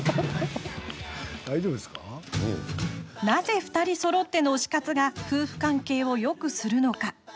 なぜ２人そろっての推し活が夫婦関係をよくするのか？